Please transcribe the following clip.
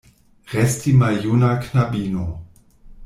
Resti maljuna knabino.